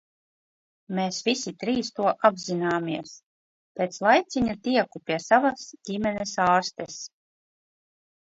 Mēs visi trīs to apzināmies. Pēc laiciņa tieku pie savas ģimenes ārstes.